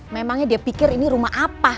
memangnya dia pikir ini rumah apa